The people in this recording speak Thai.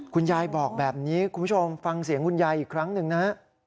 คุณยายบอกแบบนี้คุณผู้ชมฟังเสียงคุณยายอีกครั้งหนึ่งนะฮะ